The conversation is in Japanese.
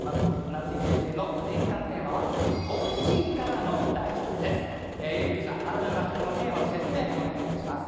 夏井先生の年間テーマは家藤さん改めましてこのテーマの説明お願いいたします。